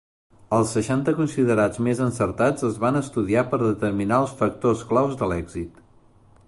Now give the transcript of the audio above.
Els seixanta considerats més encertats es van estudiar per determinar els factors claus de l'èxit.